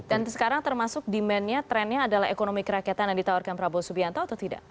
dan sekarang termasuk demandnya trendnya adalah ekonomi kerakyatan yang ditawarkan prabowo subianto atau tidak